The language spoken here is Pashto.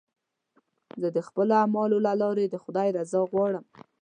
زه د خپلو اعمالو له لارې د خدای رضا غواړم.